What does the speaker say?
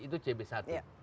itu cb satu